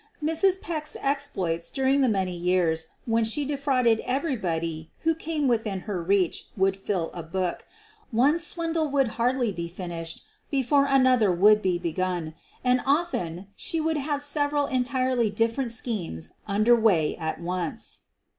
' Mrs. Peck's exploits during the many years when ahe defrauded everybody who came within her QUEEN OF THE BURGLARS 115 reach would fill a book. One swindle would hardly be finished before another would be begun, and often she would have several entirely different schemes under way at once.